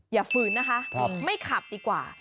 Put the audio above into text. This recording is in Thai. ฝืนนะคะไม่ขับดีกว่า